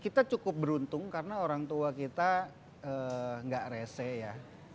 kita cukup beruntung karena orang tua kita nggak rese ya